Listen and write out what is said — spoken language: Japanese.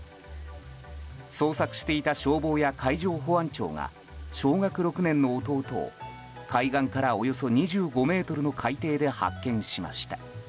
捜索していた消防や海上保安庁が小学６年の弟を海岸からおよそ２５ｍの海底で発見しました。